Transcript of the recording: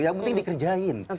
yang penting dikerjain